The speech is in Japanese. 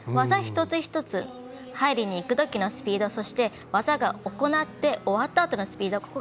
技、一つ一つ入りにいくときのスピードそして、技が行って、終わったあとのスピード。